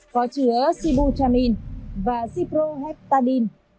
có chứa sibutramine và siproheptadine